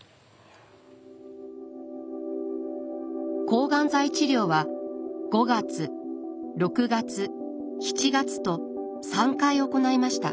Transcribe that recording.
抗がん剤治療は５月６月７月と３回行いました。